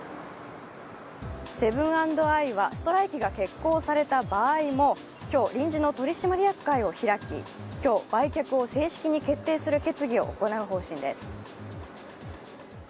セブン＆アイはストライキが決行された場合も今日、臨時の取締役会を開き今日、売却を正式に決定する決議を行う方針です。